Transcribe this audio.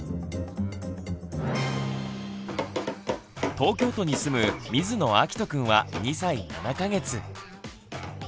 東京都に住む水野あきとくんは２歳７か月。